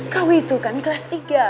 kawi itu kan kelas tiga